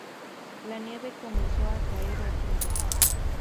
La nieve comenzó a caer otra vez.